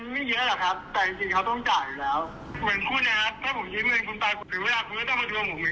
เหมือนกูนี้ครับถ้าผมยิ้มเงินชูมิ่นตาย